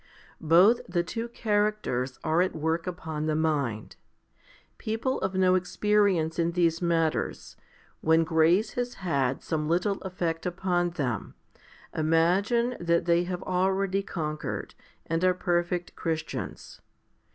Both the two characters are at work upon the mind. People of no experience in these matters, when grace has had some little effect upon them, imagine that they have already conquered, and are perfect Christians.